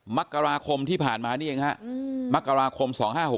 มกราคมที่ผ่านมานี่เองฮะมกราคม๒๕๖๖